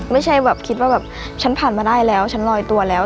ไม่ใช่แบบคิดว่าแบบฉันผ่านมาได้แล้วฉันลอยตัวแล้ว